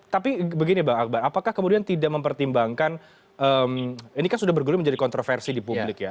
tapi begini bang akbar apakah kemudian tidak mempertimbangkan ini kan sudah bergulir menjadi kontroversi di publik ya